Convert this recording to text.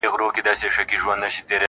• ول کمک را سره وکړه زما وروره..